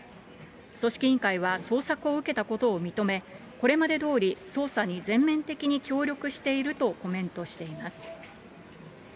組織委員会は捜索を受けたことを認め、これまでどおり、捜査に全面的に協力しているとコメントしています。